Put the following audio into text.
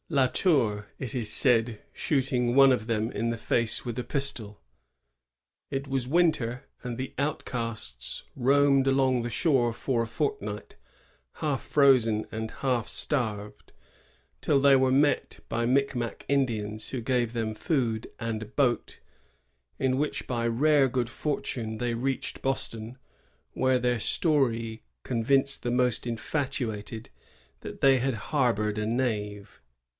La Tour, it is said, shooting one of them in the face with a pistol. It was winter, and the outcasts roamed along the shore for a fort night, half frozen and half starved, till they were 46 THE VICTOB VANQUISHED. [1647. met by Micmao Indians, who gave them food and a boat, — in whici^ by rare good fortune, they reached Boston, where their story convinced the most infatu ated that they had harbored a knave.